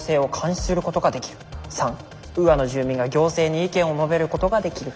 ３ウーアの住民が行政に意見を述べることができる。